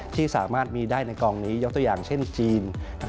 ที่สามารถมีได้ในกองนี้ยกตัวอย่างเช่นจีน